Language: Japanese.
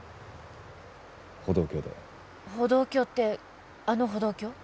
歩道橋で歩道橋ってあの歩道橋？